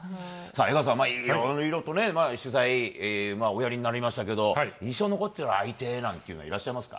江川さん、いろいろと取材をおやりになりましたけど印象に残っている相手いらっしゃいますか？